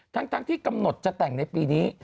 ทั้งที่กำหนดจะแต่งในปีนี้